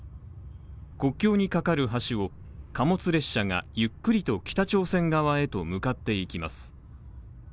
国境に架かる橋を貨物列車がゆっくりと北朝鮮側へと向かっていきます。